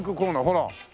ほら。